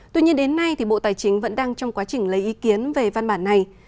tuy nhiên đến nay bộ tài chính vẫn đang trong quá trình lấy ý kiến về văn bản này